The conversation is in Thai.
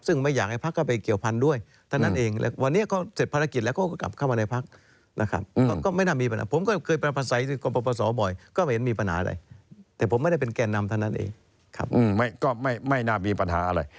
ซึ่งไม่อยากให้ภาคเขาไปเกี่ยวพันธุ์ด้วย